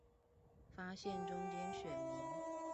發現中間選民